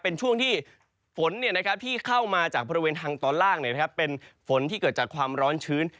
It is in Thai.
เป็นช่วงที่ฝนที่เข้ามาจากบริเวณทางตอนล่างเป็นฝนที่เกิดจากความร้อนชื้น